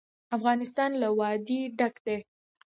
افغانستان له وادي ډک دی.